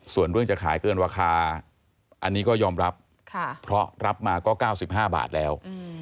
ส่วนเรื่องจะขายเกินราคาอันนี้ก็ยอมรับเพราะรับมาก็๙๕บาทแล้ว